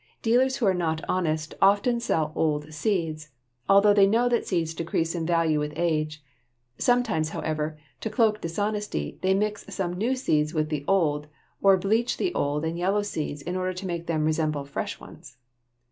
Dealers who are not honest often sell old seeds, although they know that seeds decrease in value with age. Sometimes, however, to cloak dishonesty they mix some new seeds with the old, or bleach old and yellow seeds in order to make them resemble fresh ones.